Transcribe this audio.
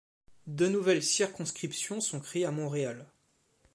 Deux nouvelles circonscriptions sont créées à Montréal.